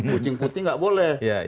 kucing putih tidak boleh